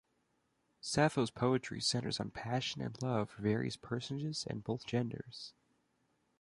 Sappho's poetry centers on passion and love for various personages and both genders.